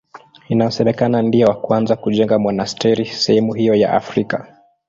Inasemekana ndiye wa kwanza kujenga monasteri sehemu hiyo ya Afrika.